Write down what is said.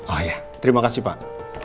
oh ya terima kasih pak